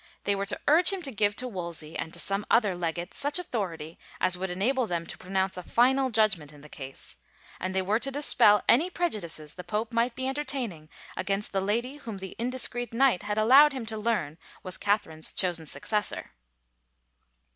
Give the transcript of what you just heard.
They were to urge him to give to Wolsey and to some other legate such authority as would enable them to pronounce a final judgment in the case, and they were to dispel any prejudices the pope might be enter taining against the lady whom the indiscreet Knight had allowed him to learn was Catherine's chosen successor.